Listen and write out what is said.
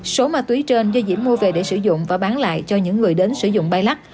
số ma túy trên do diễm mua về để sử dụng và bán lại cho những người đến sử dụng bay lắc